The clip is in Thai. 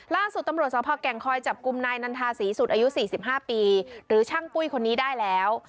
ล่าสุดตำรวจสภแก่งคอยจับกลุ่มนายนันทาศรีสุดอายุ๔๕ปีหรือช่างปุ้ยคนนี้ได้แล้ว